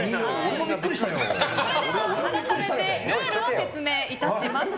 あらためてルールを説明いたします。